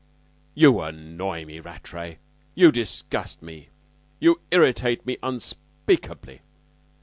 You annoy me, Rattray. You disgust me! You irritate me unspeakably!